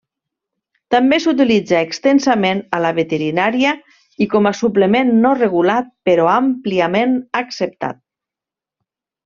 També s'utilitza extensament a la veterinària, i com a suplement no regulat però àmpliament acceptat.